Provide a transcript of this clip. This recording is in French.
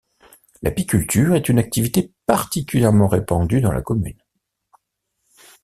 L'apiculture est une activité particuliėrement répandue dans la commune.